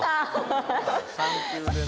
３球でね。